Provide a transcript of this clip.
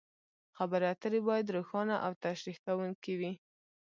خبرې اترې باید روښانه او تشریح کوونکې وي.